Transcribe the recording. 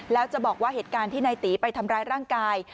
แล้วจะบอกว่าเหตุการณ์ที่นายตีไปทำร้ายร่างกาย